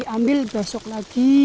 ambil besok lagi